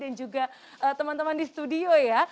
dan juga teman teman di studio ya